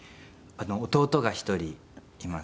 弟が１人います。